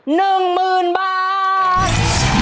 ๑หมื่นบาท